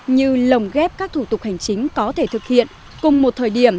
như lồng ghép các thủ tục hành chính có thể thực hiện cùng một thời điểm